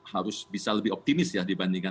harus bisa lebih optimis ya dibandingkan